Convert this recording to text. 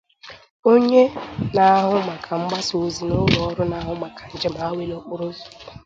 Onye na-ahụ maka mgbasa ozi n'ụlọọrụ na-ahụ maka njem awele okporo ụzọ